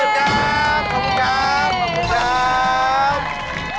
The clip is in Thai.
ขอบคุณครับ